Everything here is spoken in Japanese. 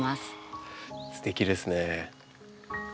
すてきですね。